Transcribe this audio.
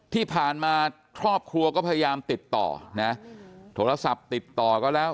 ที่ผ่านมาครอบครัวก็พยายามติดต่อนะโทรศัพท์ติดต่อก็แล้ว